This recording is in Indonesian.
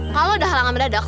kalo udah halangan beradak